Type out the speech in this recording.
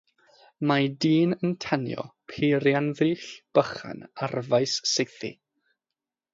Mae dyn yn tanio peirianddryll bychan ar faes saethu.